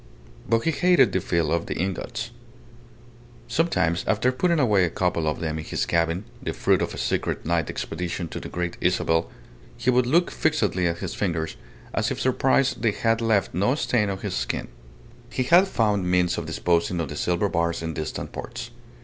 But he hated the feel of the ingots. Sometimes, after putting away a couple of them in his cabin the fruit of a secret night expedition to the Great Isabel he would look fixedly at his fingers, as if surprised they had left no stain on his skin. He had found means of disposing of the silver bars in distant ports.